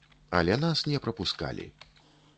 Але нас не прапускалі.